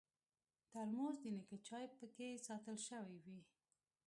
ترموز د نیکه چای پکې ساتل شوی وي.